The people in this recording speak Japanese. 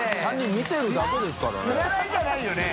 蛙見てるだけですからね。